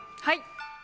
はい。